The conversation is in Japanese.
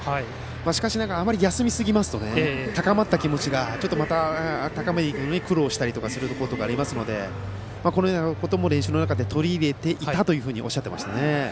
しかしながらあまり休みすぎますと高まった気持ちをちょっとまた温めるのに苦労したりすることもあるのでこのようなことも練習の中で取り入れていたとおっしゃってましたね。